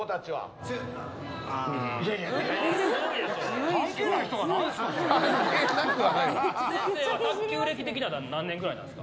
先生は卓球歴的には何年ぐらいですか？